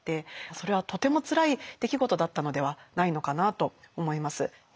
それはとてもつらい出来事だったのではないのかなと思います。